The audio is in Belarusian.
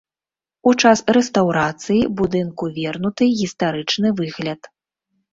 У час рэстаўрацыі будынку вернуты гістарычны выгляд.